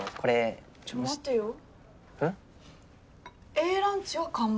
Ａランチは完売